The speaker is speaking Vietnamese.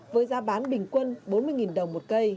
với giá bán bình quân bốn mươi đồng